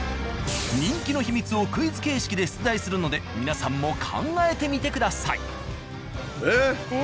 人気の秘密をクイズ形式で出題するので皆さんも考えてみてください。